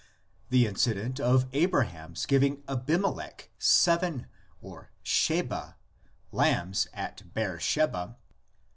The incident of Abraham's giving Abimelech seven (sheba) lambs at Beersheba (xxi.